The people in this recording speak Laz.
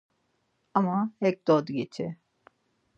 Ama ek dodgiti.